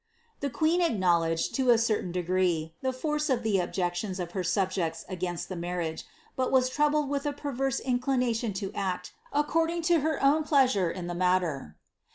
The queen acknowledged, to a certain degree, the force of the objec tions of her subjects against the marriage, but was troubled with a per verse inclination to act according to her own pleasure in the mailer.